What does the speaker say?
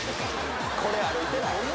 これ歩いてない？